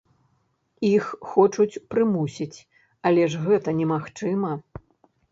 Іх хочуць прымусіць, але ж гэта немагчыма.